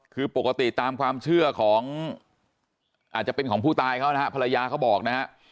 คือปกติตามความเชื่อของอาจจะเป็นของผู้ตายเขานะฮะภรรยาเขาบอกนะฮะ